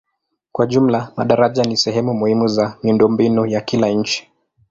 Kwa jumla madaraja ni sehemu muhimu za miundombinu ya kila nchi.